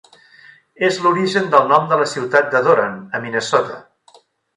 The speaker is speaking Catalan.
És l'origen del nom de la ciutat de Doran, a Minnesota.